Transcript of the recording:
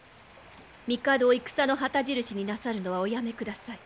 帝を戦の旗印になさるのはおやめください。